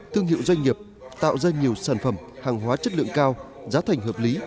thương hiệu doanh nghiệp tạo ra nhiều sản phẩm hàng hóa chất lượng cao giá thành hợp lý